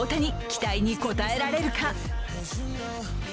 期待に応えられるか。